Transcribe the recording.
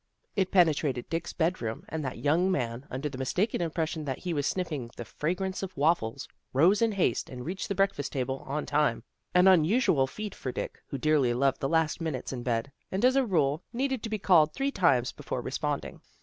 It penetrated Dick's bed room, and that young man, under the mistaken impression that he was sniffing the fragrance of waffles, rose in haste and reached the breakfast table on time, an unusual feat for Dick, who dearly loved the last minutes in bed, and, as a rule, needed to be called three times before responding.